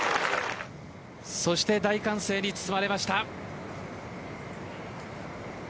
そして大歓声に包まれました。